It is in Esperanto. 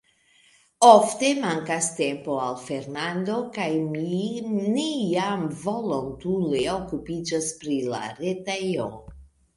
Ofte mankas tempo al Fernando kaj mi; ni ja volontule okupiĝas pri la retejo.